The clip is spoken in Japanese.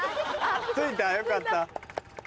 ついたよかった。